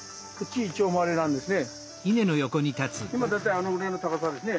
今大体あのぐらいの高さですね。